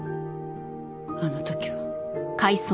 あの時は。